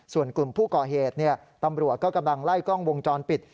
ส่วนกลุ่มผู้ก่อเหตุตำรวจก็กำลังไล่กล้องวงจรปิด